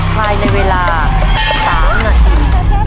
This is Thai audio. กลายในเวลาสามนาที